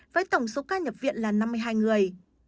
với tổng số ca nhập viện là năm mươi hai người